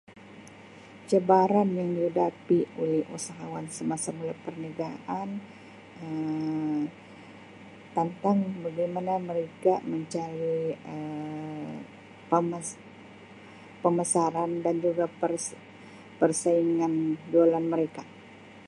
Cabaran yang dihadapi oleh usahawan semasa mula perniagaan Um tentang bagaimana mereka mencari Um pamas-pamasaran dan juga per-persaingan jualan mereka.